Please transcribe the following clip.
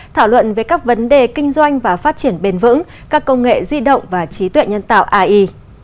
thảo luận về các vấn đề kinh doanh và phát triển bền vững các công nghệ di động và trí tuệ nhân tạo ai